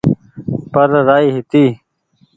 پر رآئي هيتي